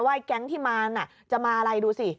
ว่าแก๊งที่มาจะมาอะไรดูสิ